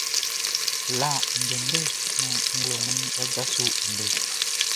La ndɛndɛ naan nglɛmunʼn wʼa djaso ndɛndɛ.